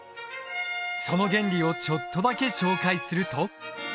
その原理をちょっとだけ紹介すると。